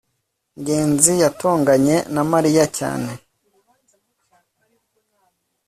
ngenzi yatonganye na mariya cyane